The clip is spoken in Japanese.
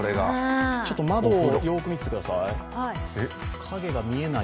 ちょっと窓をよく見ててください。